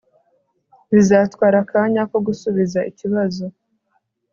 bizatwara akanya ko gusubiza ikibazo